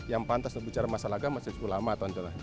yang pantas berbicara masalah agama adalah ulama atau anjur